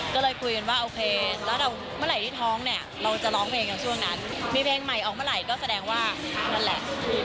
ก็เลยคุยกันว่าโอเคแล้วเมื่อไหร่ที่ท้องเนี่ยเราจะร้องเพลงกันช่วงนั้นมีเพลงใหม่ออกเมื่อไหร่ก็แสดงว่านั่นแหละ